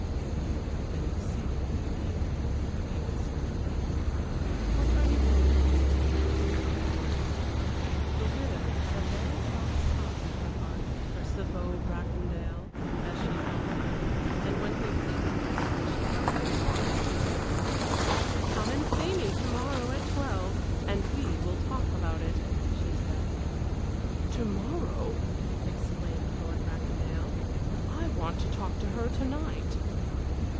"You have been exceedingly mean," he whispered. "What are you going to do for me to make up for it?" The widow had a very soft spot in her heart for "Ce beau Bracondale," as she called him, and when he pleaded like that she found him hard to resist. "Come and see me to morrow at twelve, and we will talk about it," she said. "To morrow!" exclaimed Lord Bracondale; "but I want to talk to her to night!"